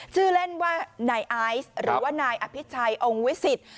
ชื่อเล่นว่านายไอซ์หรือว่านายอภิชัยองค์วิสิต